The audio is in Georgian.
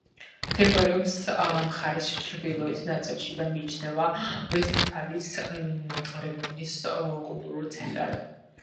მდებარეობს მხარის ჩრდილოეთ ნაწილში და მიიჩნევა ვესტფალიის რეგიონის კულტურულ ცენტრად.